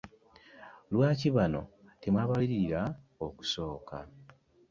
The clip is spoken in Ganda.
Lwaki bano temwababalirira okusooka?